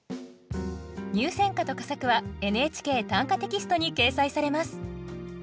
入選歌と佳作は「ＮＨＫ短歌」テキストに掲載されます。